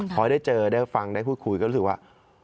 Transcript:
พอได้เจอได้ฟังได้พูดคุยก็รู้สึกว่า